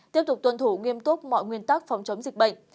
tiếp tục tuân thủ nghiêm túc mọi nguyên tắc phòng chống dịch bệnh